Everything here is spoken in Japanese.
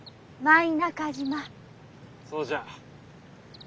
そうじゃ。